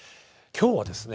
今日はですね